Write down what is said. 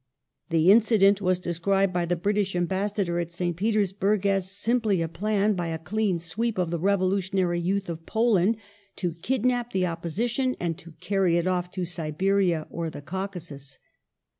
The incident was described by the British Ambassador at St. Peters burg as "simply a plan, by a clean sweep of the revolutionary youth of Poland, to kidnap the opposition and to carry it off to Siberia or the Caucasus